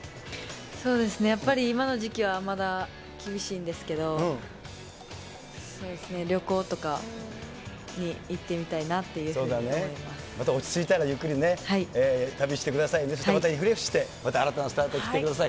そうですね、やっぱり今の時期はまだ厳しいんですけど、旅行とかに行ってみたそうだね、また落ち着いたらゆっくりね、旅してくださいね、またリフレッシュして、また新たなスタートを切ってください。